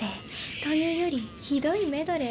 というよりひどいメドレー。